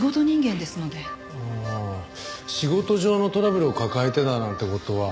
仕事上のトラブルを抱えていたなんて事は？